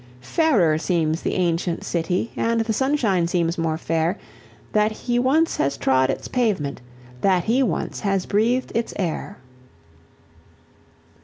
Fairer seems the ancient city and the sunshine seems more fair, That he once has trod its pavement, that he once has breathed its air!